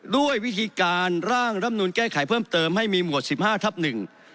ด้วยวิธีการร่างรำนูนแก้ไขเพิ่มเติมให้มีหมวดสิบห้าทับหนึ่ง